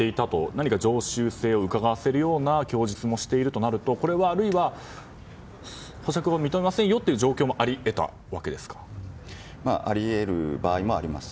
何か常習性をうかがわせるような供述もしているとなるとこれはあるいは保釈を認めませんという状況もあり得る場合もあります。